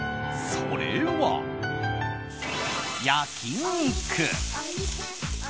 それは焼き肉。